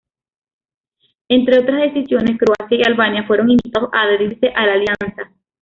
Entre otras decisiones, Croacia y Albania fueron invitados a adherirse a la Alianza.